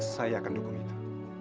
saya akan dukung itu